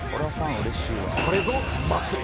「これぞ祭り」